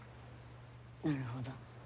なるほど。